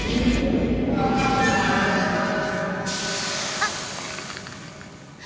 あっ。